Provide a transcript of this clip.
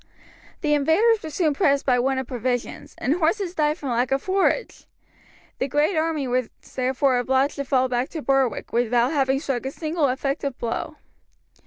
The invaders were soon pressed by want of provisions, and horses died from lack of forage. The great army was therefore obliged to fall back to Berwick without having struck a single effective blow.